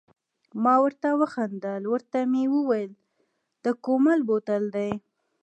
ما ورته و خندل، ورته مې وویل د کومل بوتل دی.